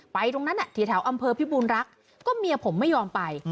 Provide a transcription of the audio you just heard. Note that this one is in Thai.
ตรงนั้นที่แถวอำเภอพิบูรณรักษ์ก็เมียผมไม่ยอมไป